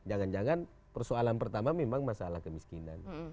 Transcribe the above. jangan jangan persoalan pertama memang masalah kemiskinan